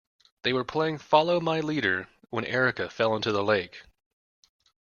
They were playing follow my leader when Erica fell into the lake.